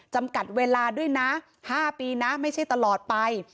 จำกัดเวลาด้วยนะ๕ปีนะไม่ใช่ตลอดไป